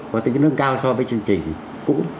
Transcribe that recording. có tính nâng cao so với chương trình cũ